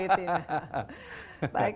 baik terima kasih